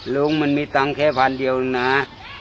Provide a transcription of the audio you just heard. ลุงมันมีตังค์แค่พันเดียวนะ